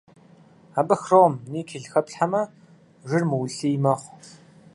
Абы хром, никель хэплъхьэмэ, жыр мыулъий мэхъу.